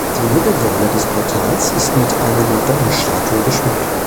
Die Mittelsäule des Portals ist mit einer Madonnenstatue geschmückt.